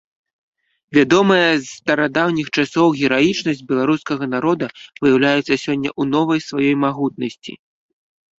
Вядомая з старадаўніх часоў гераічнасць беларускага народа выяўляецца сёння ў новай сваёй магутнасці.